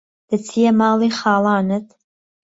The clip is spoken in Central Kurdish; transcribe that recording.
دهچییه ماڵی خاڵانت